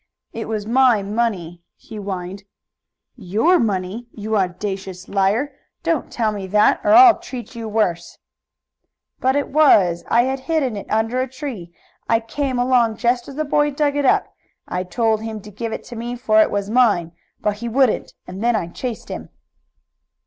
"It was my money," he whined. "Your money, you owdacious liar! Don't tell me that or I'll treat you worse!" "But it was. I had hidden it under a tree. I came along just as the boy dug it up. I told him to give it to me, for it was mine, but he wouldn't, and then I chased him."